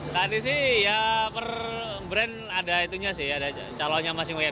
tadi sih per brand ada calonnya masing masing